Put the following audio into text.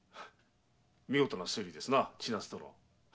見事な推理ですなぁ千奈津殿。